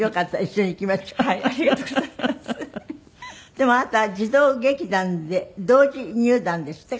でもあなたは児童劇団で同時入団ですって？